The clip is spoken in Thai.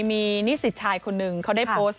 มีนิสิตชายคนหนึ่งเขาได้โพสต์